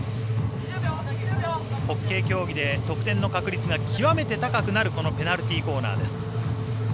ホッケー競技で得点の確率が極めて高くなるこのペナルティーコーナーです。